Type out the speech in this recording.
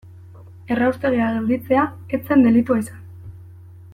Erraustegia gelditzea ez zen delitua izan.